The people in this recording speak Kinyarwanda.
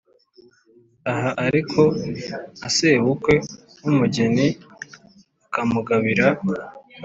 aha ariko na sebukwe w’umugeni akamugabira